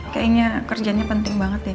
kayaknya kerjanya penting banget ya